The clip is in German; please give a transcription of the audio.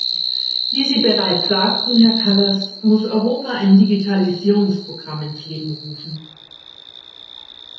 Wie sie bereits sagten, Herr Kallas, muss Europa ein Digitalisierungs-Programm ins Leben rufen.